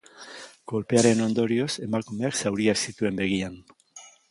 Kolpearen ondorioz, emakumeak zauriak zituen begian.